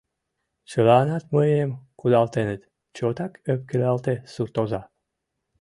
— Чыланат мыйым кудалтеныт! — чотак ӧпкелалте суртоза.